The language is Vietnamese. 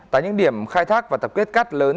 tại những điểm khai thác và tập kết cát lớn